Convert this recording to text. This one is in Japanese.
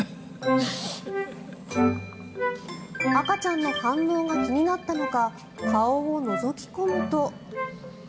赤ちゃんの反応が気になったのか顔をのぞき込むと。